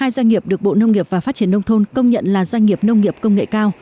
hai doanh nghiệp được bộ nông nghiệp và phát triển nông thôn công nhận là doanh nghiệp nông nghiệp công nghệ cao